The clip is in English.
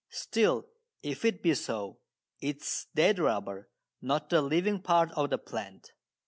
Still, if it be so, it is dead rubber, not the living part of the plant.